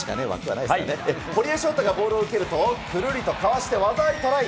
堀江翔太がボールを受けると、くるりとかわして技ありトライ。